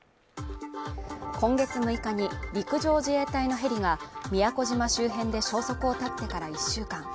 今月６日に陸上自衛隊のヘリが宮古島周辺で消息を絶ってから１週間。